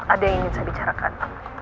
ada yang ingin saya bicarakan